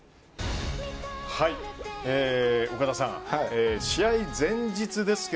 岡田さん、試合前日ですが